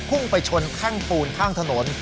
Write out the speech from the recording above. พุ่งไปชนแท่งปูนข้างถนน